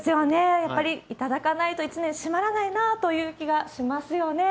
やっぱり頂かないと、一年、締まらないなあという気がしますよね。